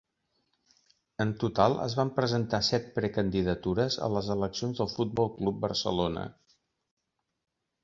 En total es van presentar set precandidatures a les eleccions del Futbol Club Barcelona.